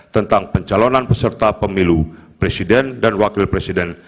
tentang pencalonan peserta pemilu presiden dan wakil presiden